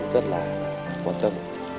rất là quan tâm